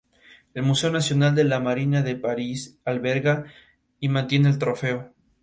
El Museo Nacional de la Marina de París alberga y mantiene el Trofeo.